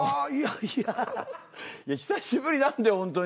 いや久しぶりなんでほんとに。